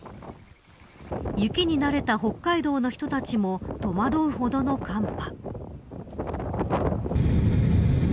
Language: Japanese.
雪に慣れた北海道の人たちも戸惑うほどの寒波。